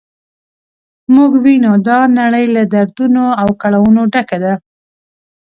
موږ وینو دا نړۍ له دردونو او کړاوونو ډکه ده.